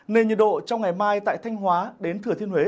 nên nhiệt độ trong ngày mai tại thanh hóa đến thừa thiên huế